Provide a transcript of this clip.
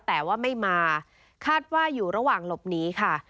แต่ว่าไม่มาคาดว่าอยู่ระหว่างหลบหนีค่ะ